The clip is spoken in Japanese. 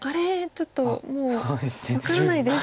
ちょっともう分からないです。